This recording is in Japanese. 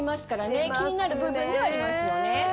気になる部分ではありますよね。